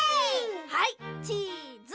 はいチーズ。